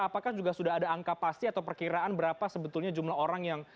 apakah juga sudah ada angka pasti atau perkiraan berapa sebetulnya jumlah orang yang